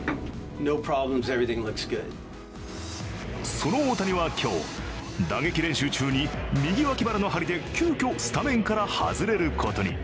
その大谷は今日、打撃練習中に右脇腹の張りで急きょスタメンから外れることに。